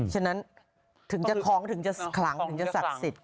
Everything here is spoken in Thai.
ฉะนั้นถึงจะคล้องถึงจะขลังถึงจะศักดิ์สิทธิ์